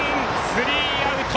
スリーアウト。